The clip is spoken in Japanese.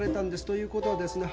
ということはですね